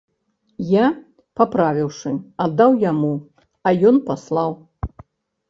Я, паправіўшы, аддаў яму, а ён паслаў.